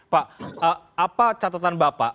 pak apa catatan bapak